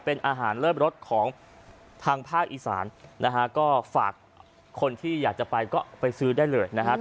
เป็นอาหารเลิศรสของทางภาคอีสานนะฮะก็ฝากคนที่อยากจะไปก็ไปซื้อได้เลยนะครับ